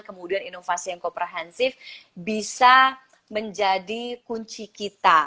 kemudian inovasi yang komprehensif bisa menjadi kunci kita